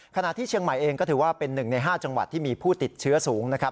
ขณะที่เชียงใหม่เองก็ถือว่าเป็น๑ใน๕จังหวัดที่มีผู้ติดเชื้อสูงนะครับ